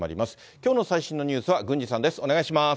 きょうの最新のニュースは郡司さんです。